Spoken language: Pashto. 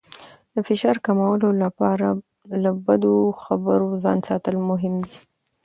د فشار کمولو لپاره له بدو خبرونو ځان ساتل مهم دي.